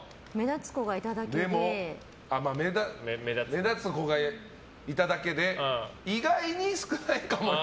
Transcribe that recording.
でも、目立つ子がいただけで意外に少ないかもよ。